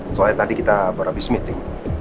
soalnya tadi kita berhabis meeting